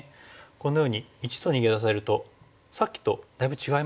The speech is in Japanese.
このように①と逃げ出されるとさっきとだいぶ違いますよね。